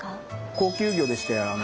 高級魚でして。